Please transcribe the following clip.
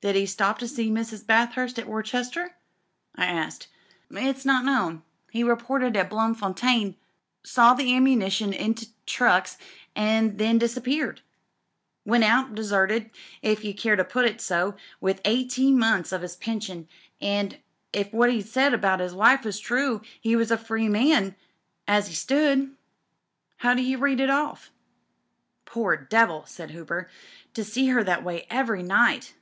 "Did he stop to see Mrs. Bathurst at W^orcester ?'* I asked. "It's not known. He reported at Bloemfontein, saw the ammunition into the trucks, and then 'e dis appeared. Went out — deserted, if you care to put it so — within eighteen r^onths or his pension, an' if what 'e said about 'is wife was true he was a free man as 'e then stood. How do you read it off?" "Poor devil I'* raid Hooper. "To see her that waj every night!